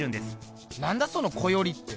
何だその「こより」って。